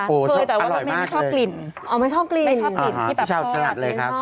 เคยแต่ว่าเขาไม่ชอบกลิ่นชอบกลิ่นที่ตั๊กกะแตนไม่ชอบกลิ่นไม่ชอบขนาดเลยครับ